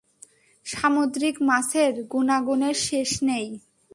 সামুদ্রিক মাছের গুনাগুণের শেষ নেই।